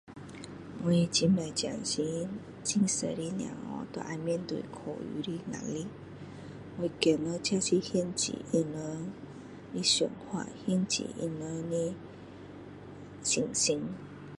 我很不赞成很多的小孩都要面对考试的压力我觉得这是限制他们的想法现限制他们的信心